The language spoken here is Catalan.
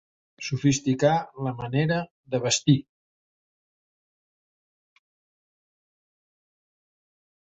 Sofisticar la manera de vestir.